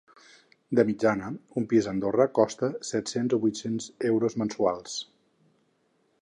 De mitjana un pis a Andorra costa set-cents o vuit-cents euros mensuals.